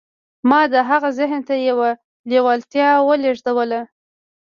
ما د هغه ذهن ته يوه لېوالتیا ولېږدوله.